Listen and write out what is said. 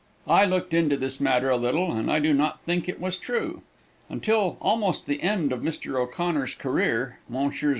I looked into this matter a little and I do not think it was true. Until almost the end of Mr. O'Connor's career, Messrs.